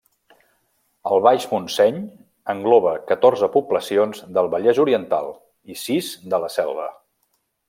El Baix Montseny engloba catorze poblacions del Vallès Oriental i sis de la Selva.